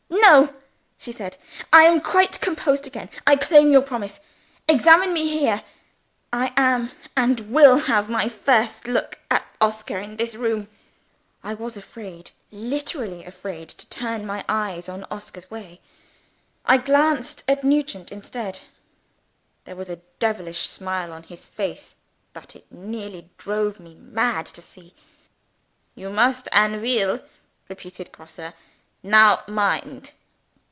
"No!" she said. "I am quite composed again; I claim your promise. Examine me here. I must and will have my first look at Oscar in this room." (I was afraid literally afraid to turn my eyes Oscar's way. I glanced at Nugent instead. There was a devilish smile on his face that it nearly drove me mad to see.) "You must and weel?" repeated Grosse. "Now, mind!"